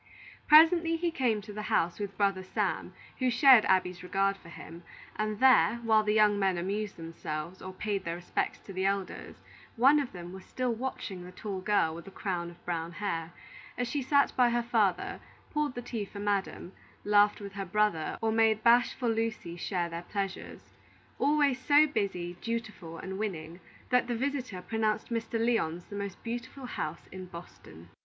Presently he came to the house with brother Sam, who shared Abby's regard for him; and there, while the young men amused themselves, or paid their respects to the elders, one of them was still watching the tall girl with the crown of brown hair, as she sat by her father, poured the tea for Madam, laughed with her brother, or made bashful Lucy share their pleasures; always so busy, dutiful, and winning, that the visitor pronounced Mr. Lyon's the most delightful house in Boston.